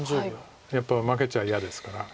やっぱり負けちゃ嫌ですから。